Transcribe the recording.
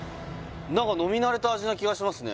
何か飲み慣れた味な気がしますね